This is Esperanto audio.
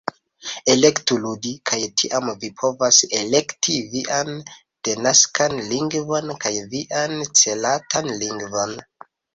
Elektu "ludi" kaj tiam vi povas elekti vian denaskan lingvon kaj vian celatan lingvon